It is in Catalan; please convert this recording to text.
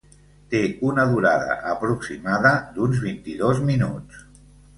Té una durada aproximada d'uns vint-i-dos minuts.